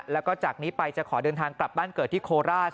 แล้วก็จากนี้ไปจะขอเดินทางกลับบ้านเกิดที่โคราช